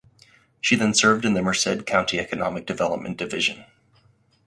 She then served in the Merced County Economic Development Division.